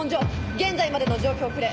現在までの状況送れ。